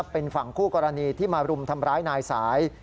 เป็นฝั่งคู่กรณีที่มารุมทำร้ายนายสาย